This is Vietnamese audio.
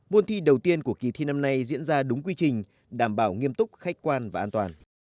môn thi đầu tiên của kỳ thi năm nay diễn ra đúng quy trình đảm bảo nghiêm túc khách quan và an toàn